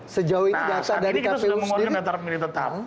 sejauh ini data dari kpu sendiri tetap